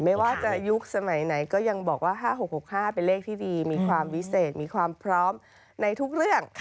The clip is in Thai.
ไม่ว่าจะยุคสมัยไหนก็ยังบอกว่า๕๖๖๕เป็นเลขที่ดีมีความวิเศษมีความพร้อมในทุกเรื่อง